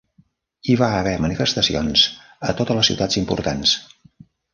Hi va haver manifestacions a totes les ciutats importants.